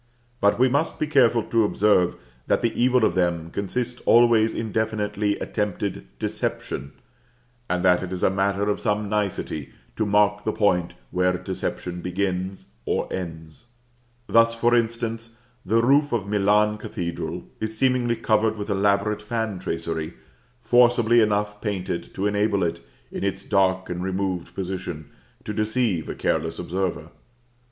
But we must be careful to observe, that the evil of them consists always in definitely attempted deception, and that it is a matter of some nicety to mark the point where deception begins or ends. Thus, for instance, the roof of Milan Cathedral is seemingly covered with elaborate fan tracery, forcibly enough painted to enable it, in its dark and removed position, to deceive a careless observer.